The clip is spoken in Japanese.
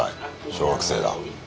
小学生だ。